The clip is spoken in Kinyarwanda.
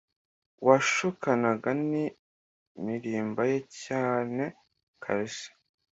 washokanaga n’imirimba ye cyane kabisa